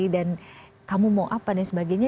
dan kamu mau apa dan sebagainya